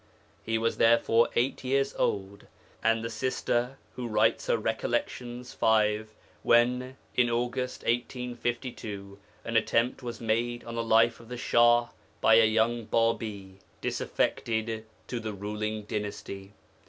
He was therefore eight years old, and the sister who writes her recollections five, when, in August 1852, an attempt was made on the life of the Shah by a young Bābī, disaffected to the ruling dynasty.